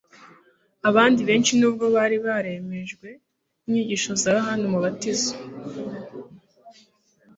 Abandi benshi, nubwo bari baremejwe n'inyigisho za Yohana umubatiza,